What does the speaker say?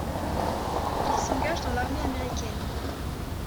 Il s’engage dans l’armée américaine.